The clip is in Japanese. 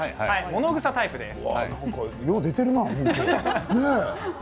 ものぐさタイプです。